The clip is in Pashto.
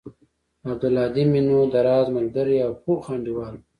عبدالهادى مې نو د راز ملگرى او پوخ انډيوال و.